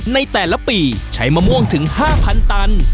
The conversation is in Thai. ในแต่ละปีใช้มะม่วงถึง๕๐๐ตัน